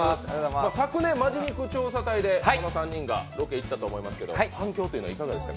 昨年、「本気肉調査隊」でこの３人が行ったと思うんですけど、反響というのはいかがでした？